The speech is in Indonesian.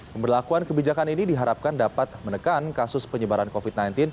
pemberlakuan kebijakan ini diharapkan dapat menekan kasus penyebaran covid sembilan belas